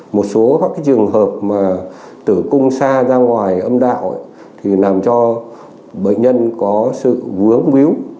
một số các trường hợp mà tử cung xa ra ngoài âm đạo thì làm cho bệnh nhân có sự vướng víu